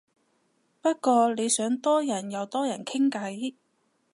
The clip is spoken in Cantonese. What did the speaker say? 不過你想多人又多人傾偈